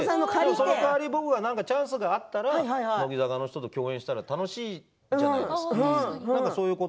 その代わり、僕はチャンスがあったら乃木坂の人と共演したら楽しいじゃないですか。